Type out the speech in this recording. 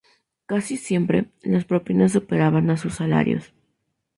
Casi siempre, las propinas superaban a sus salarios.